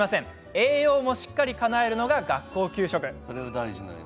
栄養も、しっかりかなえるのが学校給食。